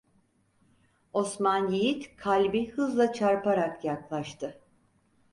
Osman Yiğit kalbi hızla çarparak yaklaştı.